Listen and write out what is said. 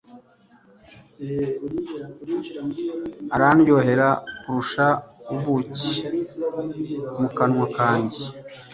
arandyohera kurusha ubuki mu kanwa kanjye